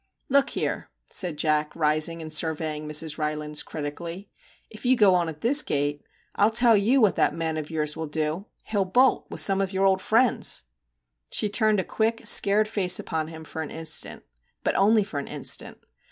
* Look here/ said Jack, rising and surveying Mrs. Rylands critically. * If you go on at this gait, I '11 tell you what that man of yours will do ! He'll bolt with some of your old friends!' She turned a quick, scared face upon him for an instant. But only for an instant.